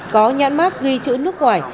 có nhãn mát ghi chữ nước ngoài